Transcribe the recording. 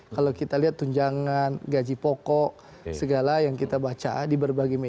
kalau kita lihat tunjangan gaji pokok segala yang kita baca di berbagai media